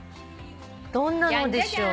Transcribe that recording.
どんなのでしょう？